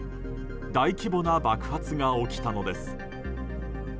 大規模な爆発が起きたのです。